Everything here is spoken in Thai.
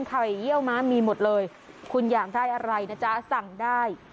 เยี่ยวม้ามีหมดเลยคุณอยากได้อะไรนะจ๊ะสั่งได้